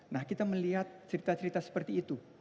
nah kita melihat cerita cerita seperti itu